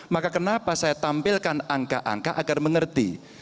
maka kenapa saya tampilkan angka angka agar mengerti